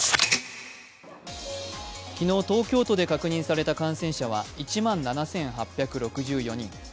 昨日、東京都で確認された感染者は１万７８６４人。